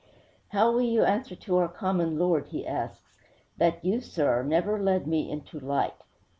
'How will you answer to our common Lord,' he asks, 'that you, sir, never led me into light?